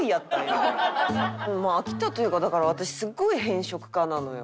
まあ飽きたというかだから私すごい偏食家なのよ。